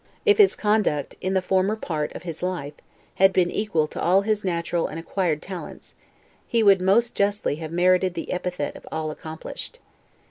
If his conduct, in the former part of his life, had been equal to all his natural and acquired talents, he would most justly have merited the epithet of all accomplished.